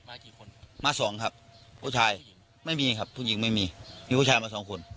กี่คนมาสองครับผู้ชายไม่มีครับผู้หญิงไม่มีมีผู้ชายมาสองคน